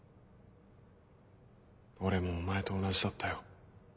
俺もお前と同じだったよ。